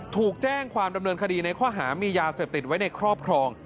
ถูกแจ้งความดำเนินคดีในข้อหามียาเสพติดไว้ในครอบครอง